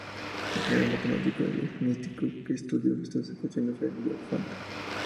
El primer matemático helenístico que estudió estas ecuaciones fue Diofanto.